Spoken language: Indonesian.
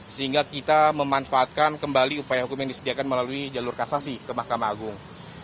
sehingga kita memanfaatkan kembali upaya hukum yang disediakan melalui jalur kasasi ke mahkamah agung